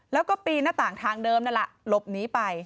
แล้วก็ปีนหน้าต่างทางเดิมนั่นแหละหลบหนีไป